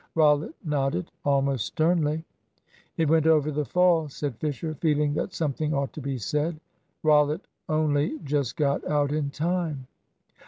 Rollitt nodded, almost sternly. "It went over the fall," said Fisher, feeling that something ought to be said. "Rollitt only just got out in time."